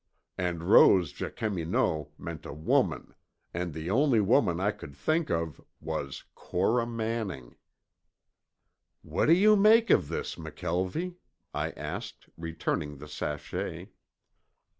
And Rose Jacqueminot meant a woman and the only woman I could think of was Cora Manning. "What do you make of this, McKelvie?" I asked, returning the sachet.